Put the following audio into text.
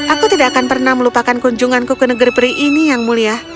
aku tidak akan pernah melupakan kunjunganku ke negeri peri ini yang mulia